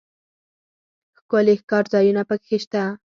ښکلي ښکارځایونه پکښې شته.